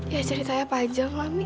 ya ceritanya panjang ami